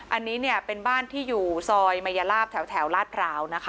อันนี้เนี่ยเป็นบ้านที่อยู่ทรยย์ศอยมายาลาภแถวราชราวนะคะ